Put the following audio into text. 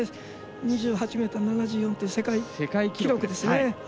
２８ｍ７４と世界記録ですね。